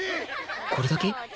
これだけ？